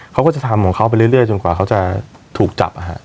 เขาก็จะทำของเขาไปเรื่อยจนกว่าเขาจะถูกจับ